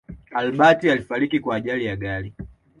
albert alifariki kwa ajari ya gari